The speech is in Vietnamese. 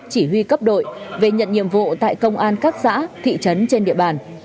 chỉ huy cấp đội về nhận nhiệm vụ tại công an các xã thị trấn trên địa bàn